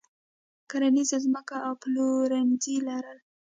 کرنیزه ځمکه او پلورنځي لرل.